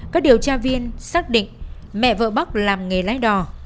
các điều tra viên xác định mẹ vợ bắc làm nghề lái đò